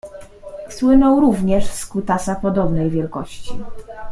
Słynął również z kutasa podobnej wielkości.